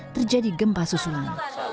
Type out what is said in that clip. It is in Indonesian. terjadi gempa susulan